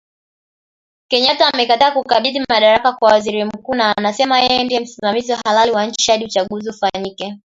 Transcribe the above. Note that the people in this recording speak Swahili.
Kenyatta amekataa kukabidhi madaraka kwa waziri mkuu, na anasema yeye ndie msimamizi halali wanchi hadi uchaguzi ufanyike